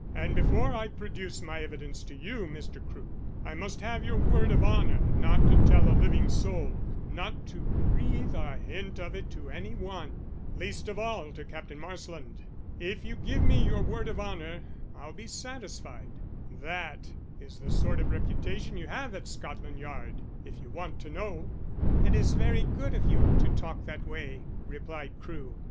"And before I produce my evidence to you, Mr. Crewe, I must have your word of honour not to tell a living soul, not to breathe a hint of it to any one, least of all to Captain Marsland. If you give me your word of honour I'll be satisfied. That is the sort of reputation you have at Scotland Yard if you want to know." "It is very good of you to talk that way," replied Crewe.